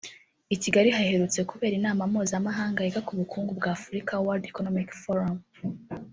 I Kigali haherutse kubera inama mpuzamahanga yiga ku bukungu bwa Afurika (World Economic Forum)